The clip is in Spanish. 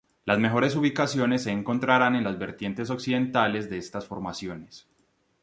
Las mejores ubicaciones se encontrarán en las vertientes occidentales de estas formaciones.